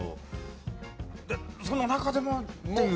その中でもっていう。